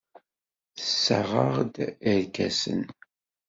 Tessaɣ-aɣ-d irkasen.